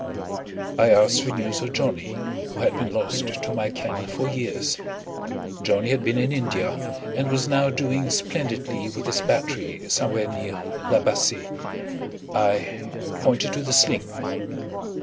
I asked for news of Johnnie, who had been lost to my ken for years. Johnnie had been in India, and was now doing splendidly with his battery somewhere near La Bassee. I pointed to the sling.